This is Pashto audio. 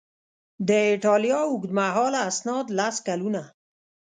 د ایټالیا اوږدمهاله اسناد لس کلونه